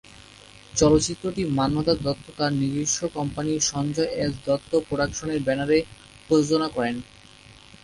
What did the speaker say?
চলচ্চিত্রটি মান্যতা দত্ত তার নিজস্ব কোম্পানি সঞ্জয় এস দত্ত প্রোডাকশনের ব্যানারে প্রযোজনা করেন।।